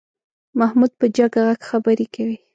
محمود په جګ غږ خبرې کوي.